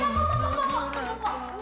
tunggu tunggu tunggu tunggu pak